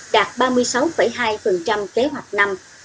đạt ba mươi sáu hai kế hoạch năm